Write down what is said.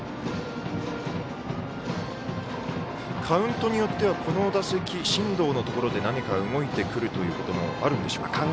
カウントによっては、この打席進藤のところで何か動いてくるということもあるんでしょうか。